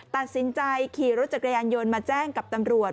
ตัดสินใจขี่รถจักรยานยนต์มาแจ้งกับตำรวจ